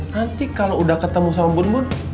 nanti kalau udah ketemu sama bun bun